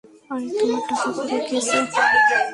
আরে, তোমার টাকা পরে গিয়েছে।